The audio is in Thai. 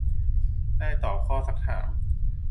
ได้ตอบข้อสักถาม